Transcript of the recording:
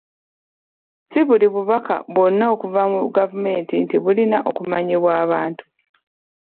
Si buli bubaka bwonna obuva mu gavumenti nti bulina okumanyibwa abantu.